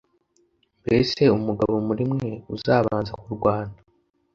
mbese umugabo muri mwe uzabanza kurwana